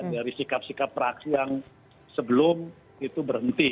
dari sikap sikap praksi yang sebelum itu berhenti